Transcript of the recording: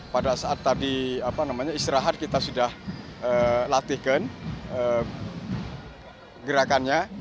pada saat tadi istirahat kita sudah latihkan gerakannya